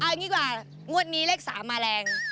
เอาอย่างนี้กว่างวดนี้เลข๓มาแรง